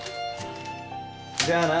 じゃあな。